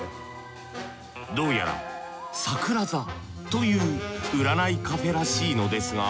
どうやらさくら座という占いカフェらしいのですが。